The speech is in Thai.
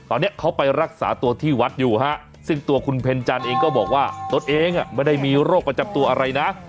ตอนนี้เขาไปรักษาตัวที่วัดอยู่ฮะซึ่งตัวคุณเพ็ญจันทร์เองก็บอกว่าตนเองไม่ได้มีโรคประจำตัวอะไรนะ